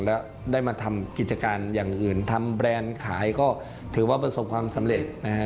แล้วได้มาทำกิจการอย่างอื่นทำแบรนด์ขายก็ถือว่าประสบความสำเร็จนะฮะ